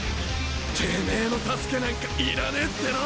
てめぇの助けなんかいらねえっての！